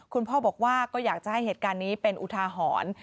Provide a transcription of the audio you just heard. คุณพ่อบอกว่าก็อยากจะให้เหตุการณ์นี้เป็นอุทาหรณ์